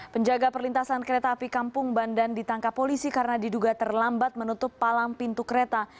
penjaga perlintasan kereta api kampung bandan ditangkap polisi karena diduga terlambat menutup palang pintu kereta